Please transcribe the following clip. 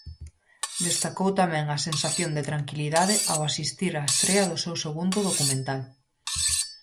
Destacou tamén a sensación de tranquilidade ao asistir á estrea do seu segundo documental.